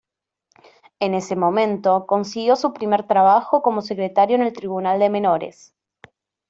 En ese momento, consiguió su primer trabajo como secretario en el Tribunal de Menores.